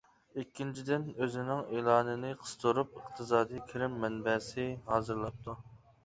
ئىككىنچىدىن ئۆزىنىڭ ئېلانىنى قىستۇرۇپ ئىقتىسادىي كىرىم مەنبەسى ھازىرلاپتۇ.